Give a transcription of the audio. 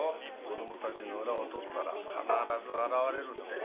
子供たちの裏を取ったら必ず現れるって。